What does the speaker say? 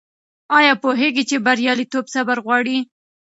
آیا پوهېږې چې بریالیتوب صبر غواړي؟